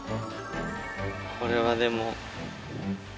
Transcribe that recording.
これはでも。